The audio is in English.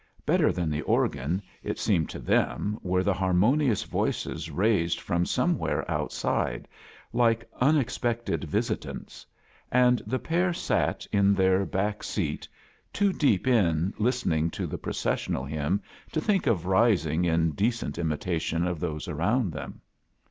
Better than the organ, it seemed to them, were the harmonious voices raised from somewhere outside, like unexpected visit ants; and the pair sat in their back A JOURNEY IN SEARCH OF CHRISTMAS too deep in listening to the processional hymn to think of rising in decent imitation of those around them.